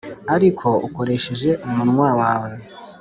ariko ukoresheje umunwa wawe